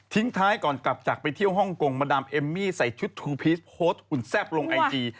ท้ายก่อนกลับจากไปเที่ยวฮ่องกงมาดามเอมมี่ใส่ชุดทูพีชโพสต์หุ่นแซ่บลงไอจี